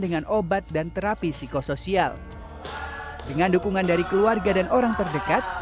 dengan obat dan terapi psikosoial dengan dukungan dari keluarga dan orang terdekat